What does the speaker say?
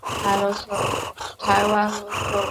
台湾梭罗为梧桐科梭罗树属下的一个种。